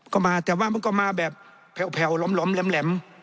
ก็มาแต่ว่ามันก็มาแบบแผ่วหลอมแหลม